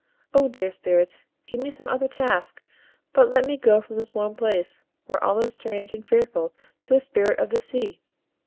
O dear Spirits, give me some other task, but let me go from this warm place, where all is strange and fearful to a Spirit of the sea."